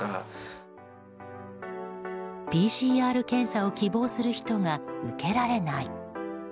ＰＣＲ検査を希望する人が受けられない。